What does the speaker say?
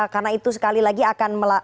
karena itu sekali lagi akan